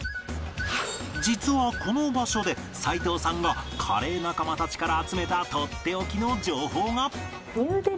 実はこの場所で齋藤さんがカレー仲間たちから集めたとっておきの情報が